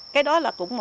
cái đó là cũng một